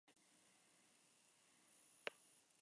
En el incidente no se registraron heridos graves.